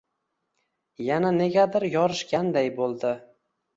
Yana negadir yorishganday bo‘ldi.